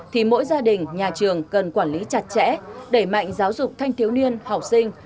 thì mỗi gia đình nhà trường cần quản lý chặt chẽ đẩy mạnh giáo dục thanh thiếu niên học sinh